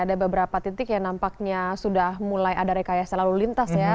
ada beberapa titik yang nampaknya sudah mulai ada rekayasa lalu lintas ya